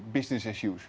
bisnis seperti biasa